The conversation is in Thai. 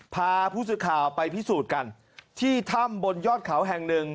พาผู้สื่อข่าวไปพิสูจน์กันที่ถ้ำบนยอดเขาแห่งหนึ่ง